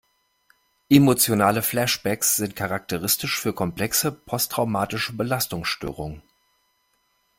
Emotionale Flashbacks sind charakteristisch für komplexe posttraumatische Belastungsstörungen.